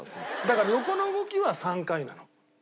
だから横の動きは３回なの。